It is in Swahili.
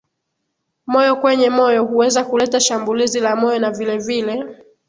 Moyo Kwenye moyo huweza kuleta Shambulizi la moyo na vilevile